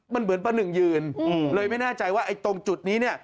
มันเหมือนป้าหนึ่งยืนเลยไม่แน่ใจว่าไอ้ตรงจุดนี้เนี่ย